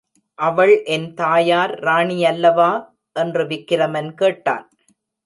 அவள் என் தாயார் ராணியல்லவா? என்று விக்கிரமன் கேட்டான்.